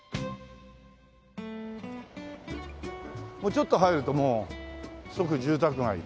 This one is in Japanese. ちょっと入るともう即住宅街で。